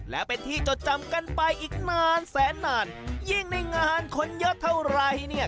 และเป็นที่จดจำกันไปอีกนานแสนนานยิ่งในงานคนเยอะเท่าไรเนี่ย